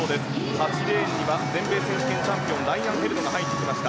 ８レーンには全米選手権チャンピオンライアン・ヘルドが入ってきました。